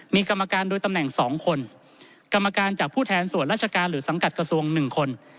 มีกรรมการโดยตำแหน่ง๒คนกรรมการจากผู้แทนส่วนราชการหรือสังกัดกระทรวง๑คน